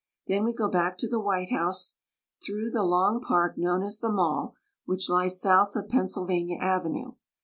Then we go back to the White House through the long park known as the Mall, which lies south of Pennsylvania Avenue.